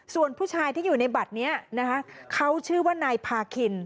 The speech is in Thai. ส่วนผู้ชายที่อยู่ในบัตรนี้นะคะเขาชื่อว่านายพาคิน